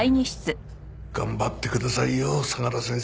頑張ってくださいよ相良先生。